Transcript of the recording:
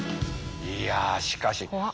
いやしかし。